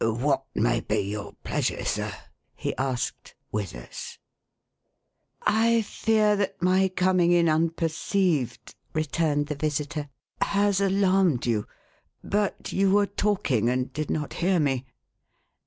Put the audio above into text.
"What may be your pleasure, sir," he asked, "with us?" " I fear that my coming in unperceived," returned the visitor, " has alarmed you ; but you were talking and did not hear me."